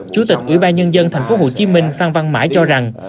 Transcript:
chủ tịch ủy ban nhân dân tp hcm phan văn mãi cho rằng